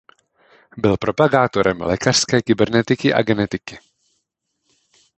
Byl propagátorem lékařské kybernetiky a genetiky.